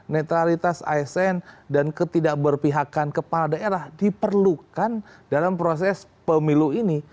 netralitas asn dan ketidakberpihakan kepala daerah diperlukan dalam proses pemilu ini